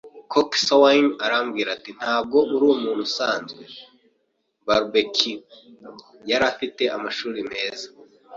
Coxswain arambwira ati: "Ntabwo ari umuntu usanzwe, Barbecue." “Yari afite amashuri meza